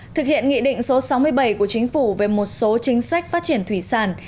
thực hiện nghị định số sáu mươi bảy của chính phủ về một số chính sách phát triển thủy sản